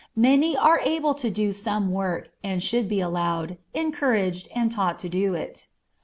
Many are able to do some work, and should be allowed, encouraged, and taught to do it.